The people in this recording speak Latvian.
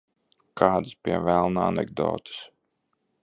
Kādas, pie velna, anekdotes?